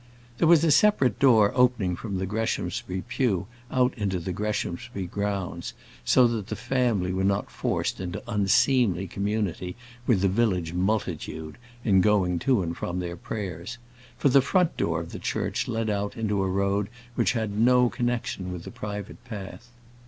There was a separate door opening from the Greshamsbury pew out into the Greshamsbury grounds, so that the family were not forced into unseemly community with the village multitude in going to and from their prayers; for the front door of the church led out into a road which had no connexion with the private path.